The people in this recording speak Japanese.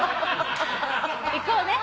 行こうね。